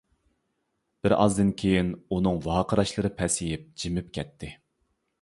بىر ئازدىن كىيىن ئۇنىڭ ۋارقىراشلىرى پەسىيىپ جىمىپ كەتتى.